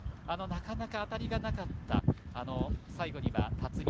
なかなか当たりがなかった最後には辰己。